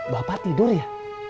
bapak tidur ya